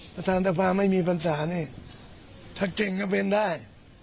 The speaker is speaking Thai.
ประธานสภาไม่มีปัญหานี่ถ้าเก่งก็เป็นได้